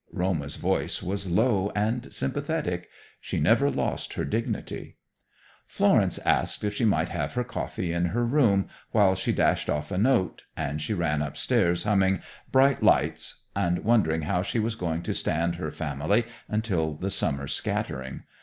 Roma's voice was low and sympathetic; she never lost her dignity. Florence asked if she might have her coffee in her room, while she dashed off a note, and she ran upstairs humming "Bright Lights" and wondering how she was going to stand her family until the summer scattering.